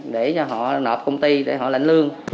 để cho họ nợ công ty để họ lãnh lương